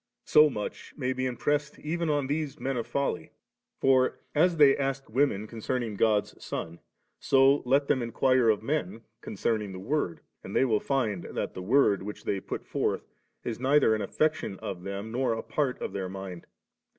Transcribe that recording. So much may be impressed even on these men of folly; for as they asked women concerning God*s Son, so^ let them inquire of men concerning the Word, and they will find that the word which they put forth is neither an affection of them nor a part of their mind.